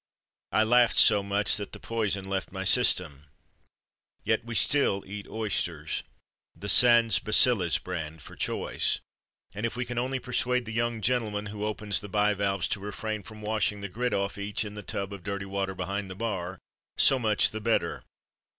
I laughed so much that the poison left my system. Yet still we eat oysters the Sans Bacilles brand, for choice. And if we can only persuade the young gentleman who opens the bivalves to refrain from washing the grit off each in the tub of dirty water behind the bar, so much the better.